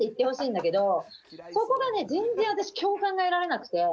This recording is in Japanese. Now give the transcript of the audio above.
そこがね全然私共感が得られなくて。